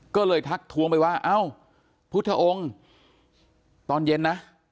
ก็เลยทักทวงไปว่าเอ้าพุทธองค์ตอนเย็นนะ